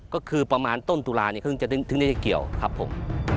ก็คือประมาณต้นตุลาคือถึงได้เกี่ยวครับผม